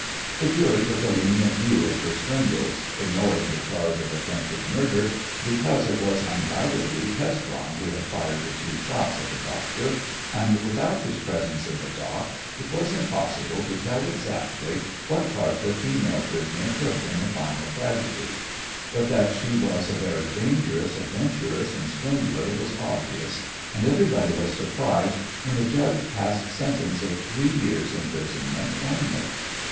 The jury took a lenient view of her swindles, ignoring the charge of attempted murder, because it was undoubtedly Cesbron who had fired the two shots at the doctor, and without his presence in the dock it was impossible to tell exactly what part the female prisoner took in the final tragedy. But that she was a very dangerous adventuress and swindler was obvious, and everybody was surprised when the judge passed sentence of three years' imprisonment only.